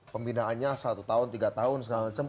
pembinaannya satu tahun tiga tahun segala macam